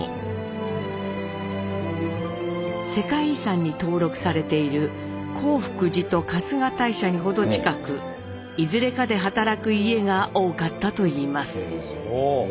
世界遺産に登録されている興福寺と春日大社に程近くいずれかで働く家が多かったといいます。